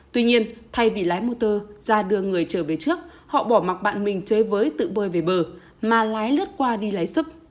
tuy nhiên thay vì lái motor ra đưa người trở về trước họ bỏ mặc bạn mình chơi với tự bơi về bờ mà lái lướt qua đi lái sức